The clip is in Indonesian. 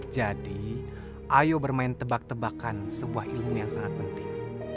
jadi ayo bermain tebak tebakan sebuah ilmu yang sangat penting